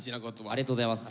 ありがとうございます。